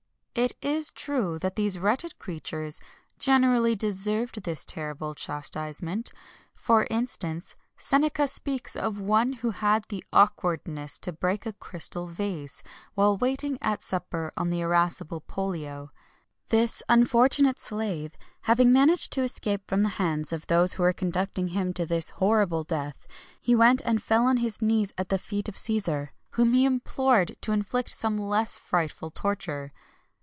[XXI 20] It is true that these wretched creatures generally deserved this terrible chastisement; for instance, Seneca speaks of one who had the awkwardness to break a crystal vase[XXI 21] while waiting at supper on the irascible Pollio. This unfortunate slave having managed to escape from the hands of those who were conducting him to this horrible death, he went and fell on his knees at the feet of Cæsar, whom he implored to inflict some less frightful torture.